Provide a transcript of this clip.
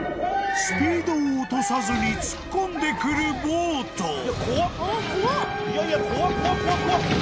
［スピードを落とさずに突っ込んでくるボート］